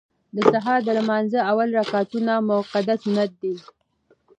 د سهار د لمانځه اول رکعتونه مؤکد سنت دي.